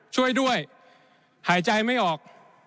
ช่วยด้วยหายใจไม่ออก